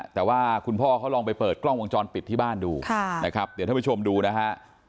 แต่ว่าคุณพ่อเขาลองไปเปิดกล้องวงจรปิดที่บ้านดูนะครับเดี๋ยวท่านผู้ชมดูนะฮะ